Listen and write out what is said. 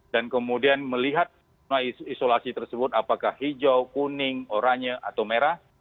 dan kemudian melihat zona isolasi tersebut apakah hijau kuning oranye atau merah